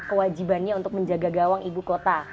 kewajibannya untuk menjaga gawang ibu kota